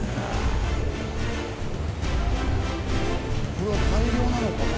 これは大漁なのかな？